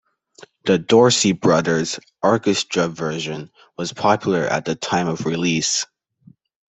The Dorsey Brothers Orchestra version was popular at the time of release.